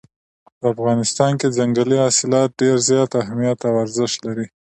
په افغانستان کې ځنګلي حاصلات ډېر زیات اهمیت او ارزښت لري.